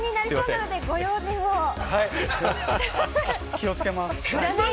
気をつけます。